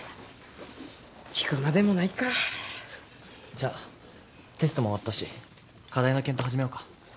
じゃテストも終わったし課題の検討始めようか。